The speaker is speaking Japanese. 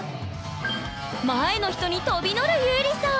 前の人に飛び乗るゆりさん。